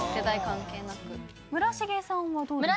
村重さんはどうですか？